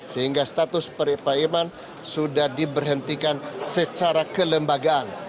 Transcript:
sehingga status peripaiman sudah diberhentikan secara kelembagaan